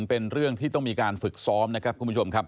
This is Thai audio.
เป็นเรื่องที่ต้องมีการฝึกซ้อมนะครับคุณผู้ชมครับ